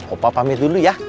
opah pamit dulu ya